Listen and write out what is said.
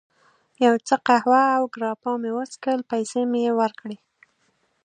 یو څه قهوه او ګراپا مې وڅښل، پیسې مې یې ورکړې.